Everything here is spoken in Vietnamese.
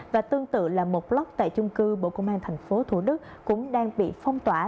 và tương tự là một block tại chung cư bộ công an thành phố thủ đức cũng đang bị phong tỏa